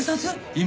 今？